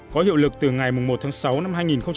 có hiệu lực từ ngày một tháng sáu năm hai nghìn một mươi chín